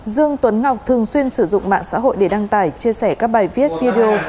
dương tuấn ngọc thường xuyên sử dụng mạng xã hội để đăng tải chia sẻ các bài viết video